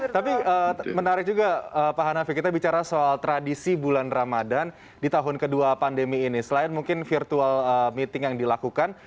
tapi menarik juga pak hanafi kita bicara soal tradisi bulan ramadan di tahun kedua pandemi ini selain mungkin virtual meeting yang dilakukan